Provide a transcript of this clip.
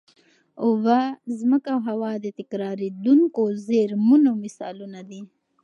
اوبه، ځمکه او هوا د تکرارېدونکو زېرمونو مثالونه دي.